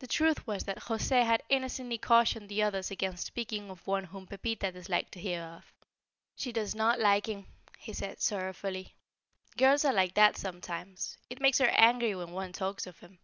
The truth was that José had innocently cautioned the others against speaking of one whom Pepita disliked to hear of. "She does not like him," he said, sorrowfully. "Girls are like that sometimes. It makes her angry when one talks of him."